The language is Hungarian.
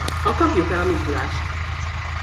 A Kapjuk el a Mikulást!